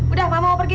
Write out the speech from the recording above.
udah mama mau pergi